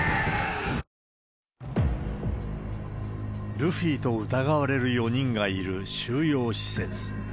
ルフィと疑われる４人がいる収容施設。